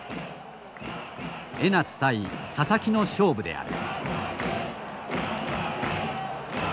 江夏対佐々木の勝負である。